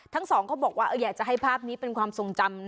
ทั้งสองเขาบอกว่าอยากจะให้ภาพนี้เป็นความทรงจำ